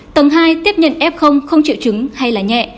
tầng hai tiếp nhận f không triệu chứng hay là nhẹ